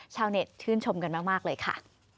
ชาวเน็ตชื่นชมกันมากเลยค่ะ